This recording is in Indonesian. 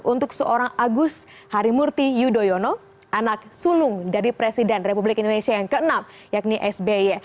untuk seorang agus harimurti yudhoyono anak sulung dari presiden republik indonesia yang ke enam yakni sby